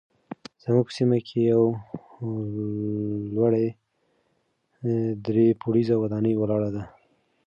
زموږ په سیمه کې یوه لوړه درې پوړیزه ودانۍ ولاړه ده.